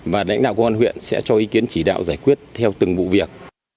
và lãnh đạo công an huyện sẽ cho ý kiến chỉ đạo giải quyết theo từng vụ việc